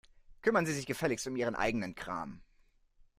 Kümmern Sie sich gefälligst um Ihren eigenen Kram.